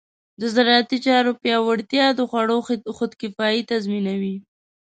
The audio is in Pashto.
د زراعتي چارو پیاوړتیا د خوړو خودکفایي تضمینوي.